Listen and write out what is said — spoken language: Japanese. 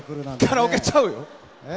カラオケちゃうよ！